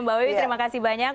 mbak wiwi terima kasih banyak